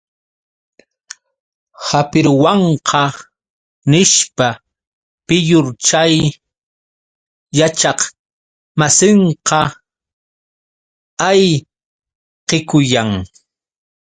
¡Hapiruwanqa!, nishpa, piyur chay yachaqmasinqa ayqikuyan.